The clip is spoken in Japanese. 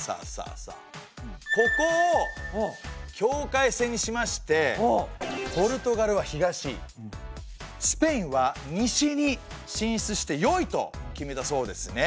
ここを境界線にしましてポルトガルは東スペインは西に進出してよいと決めたそうですね。